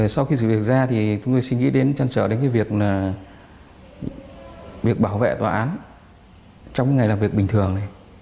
sau khi sự việc ra thì chúng tôi suy nghĩ đến chăn trở đến việc bảo vệ tòa án trong những ngày làm việc bình thường